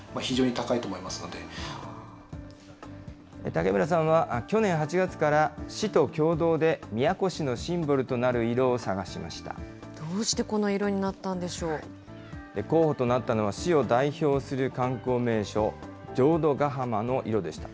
竹村さんは去年８月から市と共同で宮古市のシンボルとなる色どうしてこの色になったんで候補となったのは、市を代表する観光名所、浄土ヶ浜の色でした。